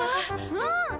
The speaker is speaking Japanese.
うん。